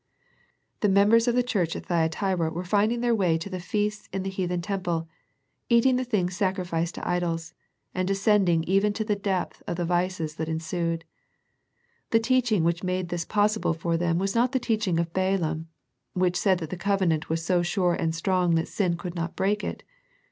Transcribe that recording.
The members of the church at Thyatira were finding their way to the feasts in the heathen temple, eating the things sacrificed to idols, and descending even to the depth of the vices that ensued. The teaching which made this possible for them was not the teaching of Balaam, which said that the covenant was so sure and strong that sin could not break it.